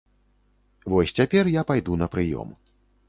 Вось цяпер я пайду на прыём.